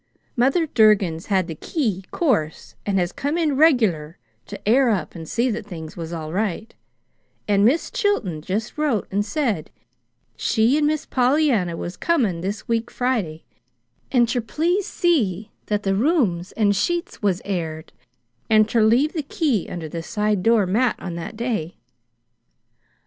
"Mother Durgin's had the key, 'course, and has come in regerler to air up and see that things was all right; and Mis' Chilton just wrote and said she and Miss Pollyanna was comin' this week Friday, and ter please see that the rooms and sheets was aired, and ter leave the key under the side door mat on that day.